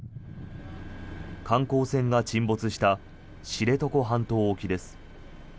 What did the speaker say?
観光船が沈没した知床半島沖です。